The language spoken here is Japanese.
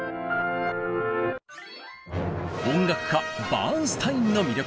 音楽家バーンスタインの魅力。